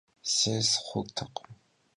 Sês xhurtekhım.